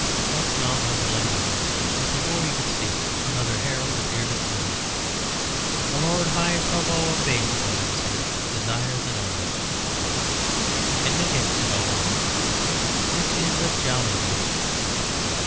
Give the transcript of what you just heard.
Buck's mouth opened like a dog's, but before he could speak another herald appeared at the door. "The Lord High Provost of Bayswater," he said, "desires an audience." "Admit him," said Auberon. "This is a jolly day."